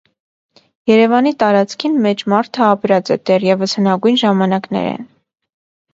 Երեւանի տարածքին մէջ մարդը ապրած է դեռեւս հնագոյն ժամանակներէն։